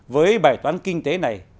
với bài toán kinh tế này